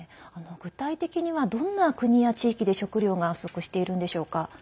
具体的には、どんな国や地域で食糧が不足しているんでしょうか。